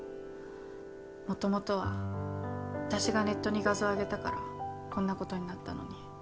もともとは私がネットに画像上げたからこんなことになったのに。